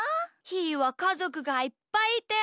ひーはかぞくがいっぱいいて。